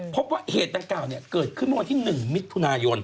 พบว่าเหตุดังกล่าวเกิดขึ้นเมื่อวันที่๑มิถุนายน